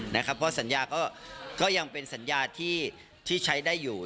เพราะสัญญาก็ยังเป็นสัญญาที่ใช้ได้อยู่